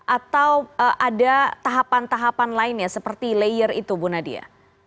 atau ada tahapan tahapan lainnya seperti layer itu bu nadia